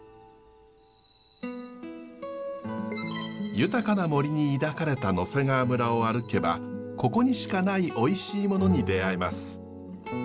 豊かな森に抱かれた野迫川村を歩けばここにしかないおいしいものに出会えます。